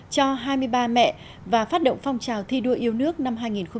cho hai mươi ba mẹ và phát động phong trào thi đua yêu nước năm hai nghìn hai mươi